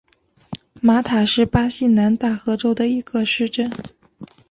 马塔是巴西南大河州的一个市镇。